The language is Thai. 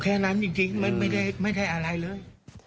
แค่นั้นจริงไม่ได้อะไรเลย